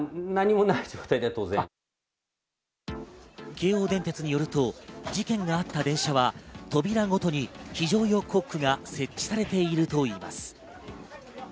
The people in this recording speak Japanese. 京王電鉄によると事件があった電車は扉ごとに非常用コックが設置されているといいます。